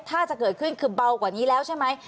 ถ้าจะเกิดขึ้นคือเบากว่านี้แล้วใช่ไหม